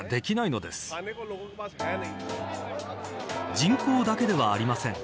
人口だけではありません。